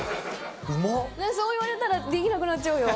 そう言われたらできなくなっちゃうよ！